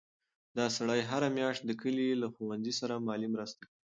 دا سړی هره میاشت د کلي له ښوونځي سره مالي مرسته کوي.